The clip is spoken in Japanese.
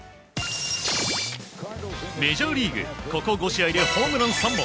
メジャーリーグここ５試合でホームラン３本。